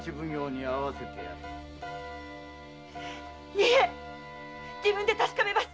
いえ自分で確かめます。